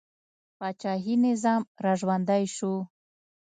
پاچاهي نظام را ژوندی شو.